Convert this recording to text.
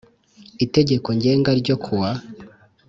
Itegeko ngenga n ryo ku wa